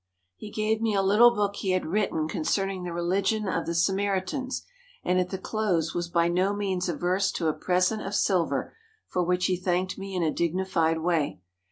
He gave me a little book he had written concerning the religion of the Samaritans, and at the close was by no means averse to a present of silver for which he thanked me in a dignified way.